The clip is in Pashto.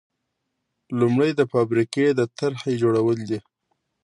لومړی د فابریکې د طرحې جوړول دي.